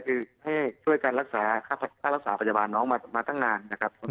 คือให้ช่วยกันรักษาค่ารักษาปัจจุบันน้องมาตั้งงาน